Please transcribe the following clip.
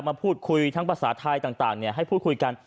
มาพูดคุยทั้งภาษาไทยต่างให้พูดคุยกัน